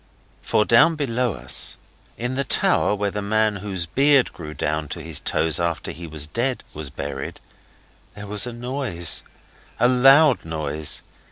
For, down below us, in the tower where the man whose beard grew down to his toes after he was dead was buried, there was a noise a loud noise.